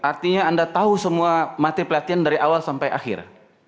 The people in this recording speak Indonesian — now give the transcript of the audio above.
artinya anda tahu semua mati pelatihan dari awal sampai akhir